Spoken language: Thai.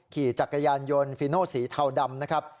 ขี่จักรยานยนต์ฟีโนสีเทาดำนะครับ